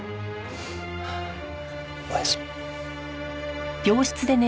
おやすみ。